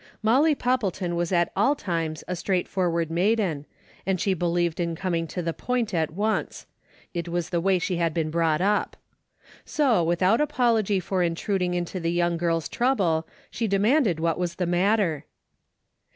Molly Poppleton was at all times a straightforward maiden, and she 288 A DAILY rate:' 289 believed in coming to the point at once ; it was the way she had been brought up. So, with out apology for intruding into the young girl's trouble, she demanded what was the matter.